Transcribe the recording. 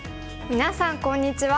みなさんこんにちは。